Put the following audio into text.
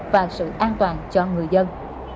và sự an toàn cho người dân